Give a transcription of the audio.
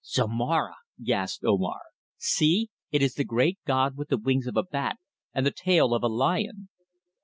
"Zomara!" gasped Omar. "See! It is the great god with the wings of a bat and the tail of a lion!"